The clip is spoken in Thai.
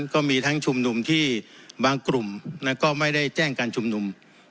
ก็มีทั้งชุมนุมที่บางกลุ่มก็ไม่ได้แจ้งการชุมนุม